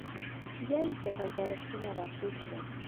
بیا یې چټل بالښتونه راټول کړل